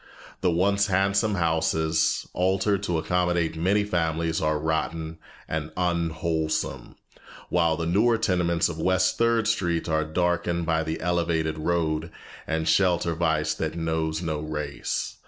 The once handsome houses, altered to accommodate many families, are rotten and unwholesome, while the newer tenements of West Third Street are darkened by the elevated road, and shelter vice that knows no race.